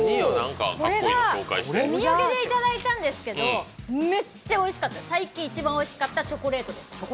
これがお土産で頂いたんですけど、めっちゃおいしかった、最近一番おいしかったチョコレートです。